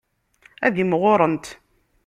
Ad imɣurent.